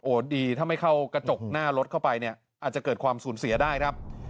ดีถ้าไม่เข้ากระจกหน้ารถเข้าไปเนี่ยอาจจะเกิดความสูญเสียได้ครับ